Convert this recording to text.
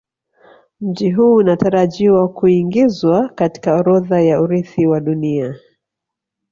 Mji huu unatarajiwa kuingizwa katika orodha ya Urithi wa Dunia